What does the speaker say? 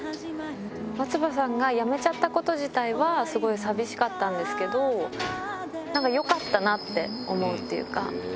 松葉さんが辞めちゃったこと自体はすごい寂しかったんですけど、なんかよかったなって思うっていうか。